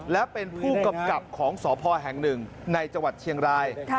และเป็นผู้กำกับของสพแห่งหนึ่งในจังหวัดเชียงราย